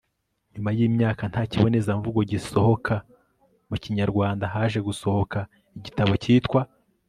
nyuma y'imyaka nta kibonezamvugo gisohoka mu kinyarwanda haje gusohoka igitabo cyitwa